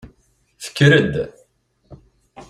Tekker-d.